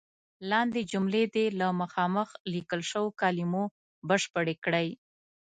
لاندې جملې دې له مخامخ لیکل شوو کلمو بشپړې کړئ.